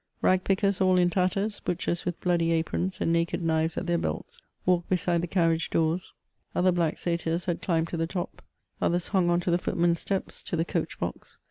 Rag pickers all in tatters, butchers with bloodjr aprons and naked kmves at their belts, walked beside the carriage doors ; other black satyrs had climbed to the top ; others hung on to the footmen s steps, to the coach box.